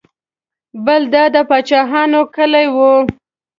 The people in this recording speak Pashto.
بل دا د پاچاهانو کلی و.